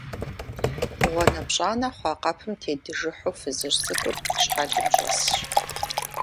ГъуанэпщӀанэ хъуа къэпым тедыжыхьу фызыжь цӀыкӀур щхьэлым щӀэсщ.